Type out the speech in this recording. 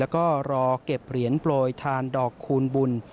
แล้วก็รอเก็บเหรียญโปรยทานดอกคูณบุญ